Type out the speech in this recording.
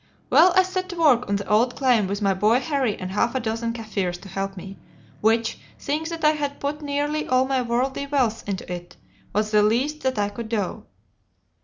"Well, I set to work on the old claim with my boy Harry and half a dozen Kaffirs to help me, which, seeing that I had put nearly all my worldly wealth into it, was the least that I could do.